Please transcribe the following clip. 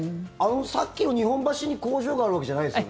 さっきの日本橋に工場があるわけじゃないですよね？